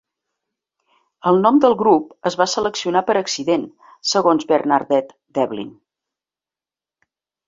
El nom del grup es va seleccionar per accident, segons Bernadette Devlin.